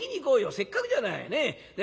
せっかくじゃない。ね？